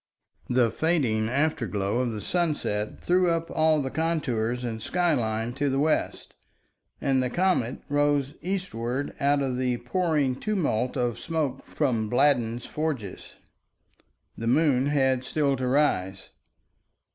The fading afterglow of the sunset threw up all the contours and skyline to the west, and the comet rose eastward out of the pouring tumult of smoke from Bladden's forges. The moon had still to rise.